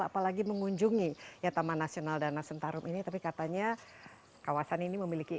apalagi mengunjungi ya taman nasional danau sentarum ini tapi katanya kawasan ini memiliki